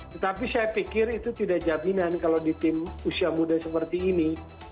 tetapi saya pikir itu tidak jaminan kalau di tim usia muda seperti ini